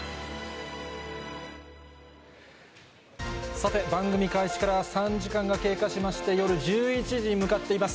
さて、番組開始から３時間が経過しまして、夜１１時に向かっています。